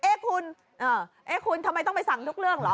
เอ๊ะคุณคุณทำไมต้องไปสั่งทุกเรื่องเหรอ